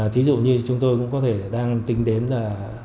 thí dụ như chúng tôi cũng có thể đang tính đến là